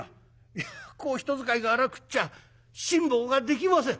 「いやこう人使いが荒くっちゃ辛抱ができません」。